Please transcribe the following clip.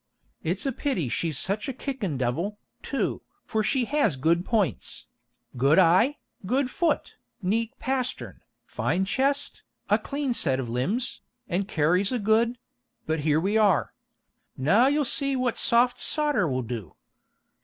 It's a pity she's such a kickin' devil, too, for she has good points, good eye, good foot, neat pastern, fine chest, a clean set of limbs, and carries a good But here we are. Now you'll see what 'soft sawder' will do."